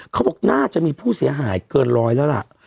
เขาบอกน่าจะมีผู้เสียหายเกินร้อยแล้วล่ะ